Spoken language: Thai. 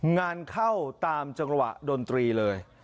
งานเข้าตามจังหวะดนตรีเลย